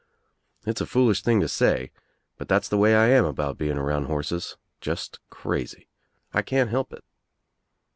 It's a foolish thing to say, but that's the way I am about being around horses, just crazy. I can't help it.